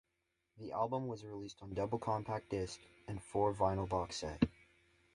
The album was released on double compact disc and four vinyl box set.